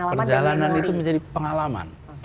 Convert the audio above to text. perjalanan itu menjadi pengalaman